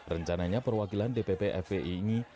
rencananya perwakilan dpp fpi ini